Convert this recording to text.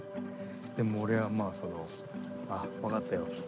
でも俺はまあその「ああ分かったよ。